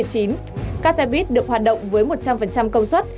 các xe buýt được hoạt động với một trăm linh công suất